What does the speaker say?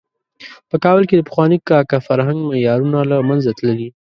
په کابل کې د پخواني کاکه فرهنګ معیارونه له منځه تللي.